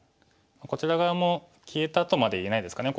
こちら側も消えたとまで言えないですかね。